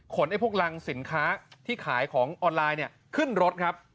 ไอ้พวกรังสินค้าที่ขายของออนไลน์เนี่ยขึ้นรถครับ